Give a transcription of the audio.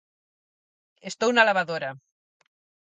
Estou na lavadora